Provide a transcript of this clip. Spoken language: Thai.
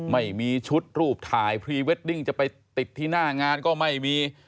ไม่มีชุดรูปถ่ายพรีเวดดิ้งจะไปติดที่หน้างานก็ไม่มี